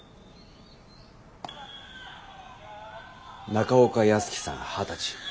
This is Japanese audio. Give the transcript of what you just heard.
中岡泰樹さん二十歳。